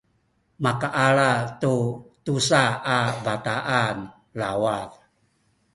makaala tu tusa a bataan lawat